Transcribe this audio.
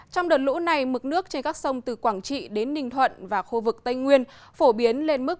trong đợt lũ này mực nước trên các sông từ quảng trị đến ninh thuận và khu vực tây nguyên phổ biến lên mức